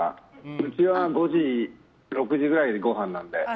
うちは５時、６時ぐらいにごはんなので。